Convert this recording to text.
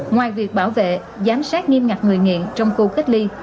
ngoài việc bảo vệ giám sát nghiêm ngặt người nghiện trong khu cách ly